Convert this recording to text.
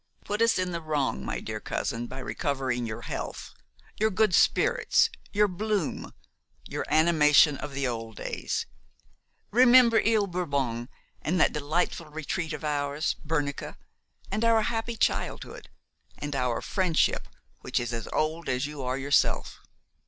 "Put us in the wrong, my dear cousin, by recovering your health, your good spirits, your bloom, your animation of the old days; remember Ile Bourbon and that delightful retreat of ours, Bernica, and our happy childhood, and our friendship, which is as old as you are yourself."